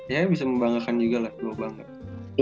ya bisa membanggakan juga lah